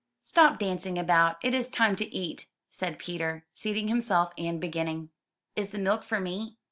''Stop dancing about, it is time to eat,'' said Peter, seating himself and beginning. ''Is the milk for me?"